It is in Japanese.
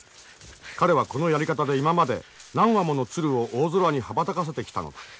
彼はこのやり方で今まで何羽もの鶴を大空に羽ばたかせてきたのだ。